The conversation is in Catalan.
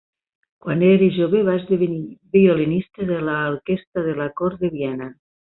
Quan era jove, va esdevenir violinista de l'orquestra de la cort de Viena.